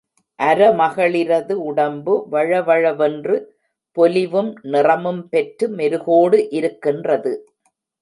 அரமகளிரது உடம்பு வழவழவென்று பொலிவும் நிறமும் பெற்று மெருகோடு இருக்கின்றது.